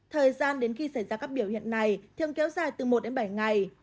thời gian đến khi xảy ra các biểu hiện này thường kéo dài từ một đến bảy ngày